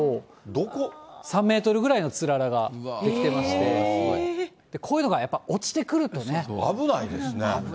３メートルぐらいのつららが出来てまして、こういうのがやっぱり、危ないですね。